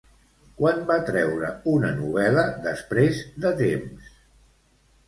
Quan va treure una novel·la després de temps?